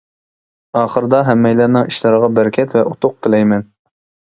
ئاخىردا ھەممەيلەننىڭ ئىشلىرىغا بەرىكەت ۋە ئۇتۇق تىلەيمەن!